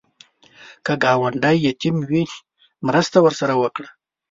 که ګاونډی یتیم وي، مرسته ورسره وکړه